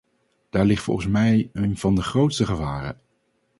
Daar ligt volgens mij een van de grootste gevaren.